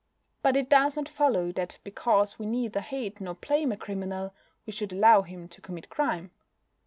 But it does not follow that because we neither hate nor blame a criminal we should allow him to commit crime.